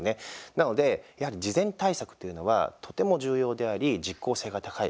なので、やはり事前対策というのはとても重要であり実効性が高い。